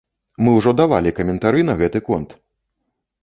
Мы ўжо давалі каментары на гэты конт!